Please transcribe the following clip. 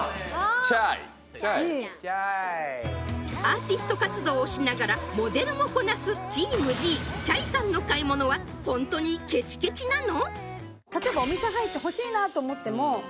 ｃｈａｙアーティスト活動をしながらモデルもこなすチームＧｃｈａｙさんの買い物はホントにケチケチなの？